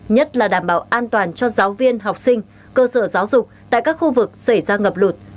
nhất là đảm bảo an toàn cho giáo viên học sinh cơ sở giáo dục tại các khu vực xảy ra ngập lụt